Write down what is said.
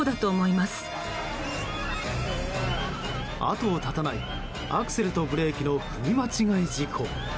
後を絶たないアクセルとブレーキの踏み間違え事故。